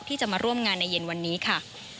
ที่จะมาร่วมงานในเย็นวันนี้ค่ะ